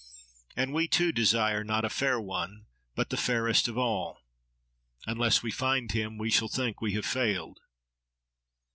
—"And we too desire, not a fair one, but the fairest of all. Unless we find him, we shall think we have failed."